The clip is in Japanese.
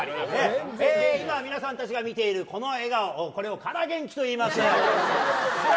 今、皆さんたちが見ているこの笑顔これをから元気といいます。